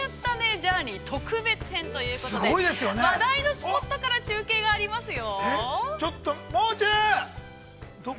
ジャーニー特別編ということで話題のスポットから中継がありますよ。